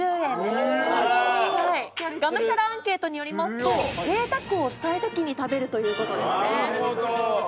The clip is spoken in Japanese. がむしゃらアンケートによりますと贅沢をしたい時に食べるということですね。